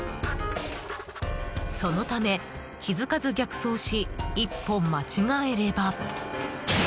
そのため、気づかず逆走し一歩間違えれば。